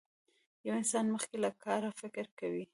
پوه انسان مخکې له کاره فکر کوي.